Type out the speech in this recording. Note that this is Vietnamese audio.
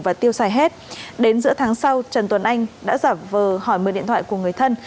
và tiêu xài hết đến giữa tháng sau trần tuấn anh đã giả vờ hỏi mượn điện thoại của người thân